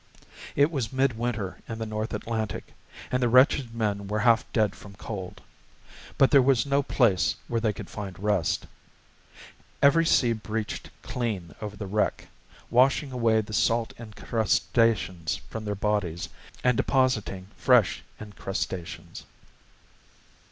It was midwinter in the North Atlantic, and the wretched men were half dead from cold. But there was no place where they could find rest. Every sea breached clean over the wreck, washing away the salt incrustations from their bodies and depositing fresh incrustations.